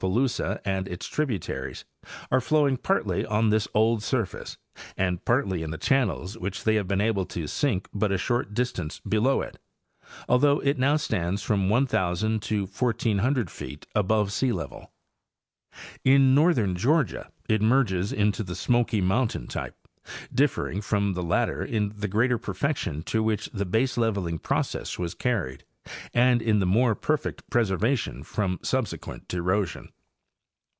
77 Tallapoosa and its tributaries, are flowing partly on this old surface and partly in channels which they have been able to sink but a short distance below it, although it now stands from 1,000 to 1,400 feet above sealevel. In northern Georgia it merges into the Smoky mountain type, differing from the latter in the greater perfection to which the baseleveling process was carried and in the more perfect preservation from subsequent erosion.